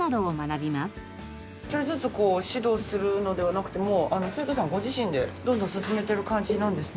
１人ずつ指導するのではなくてもう生徒さんご自身でどんどん進めている感じなんですね。